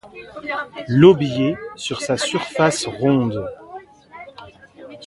L'aubier sur sa surface ronde